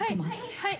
はい！